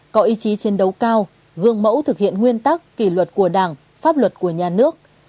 có ý chí chiến đấu cao gương mẫu thực hiện nguyên tắc kỷ luật của đảng pháp luật của nhà nước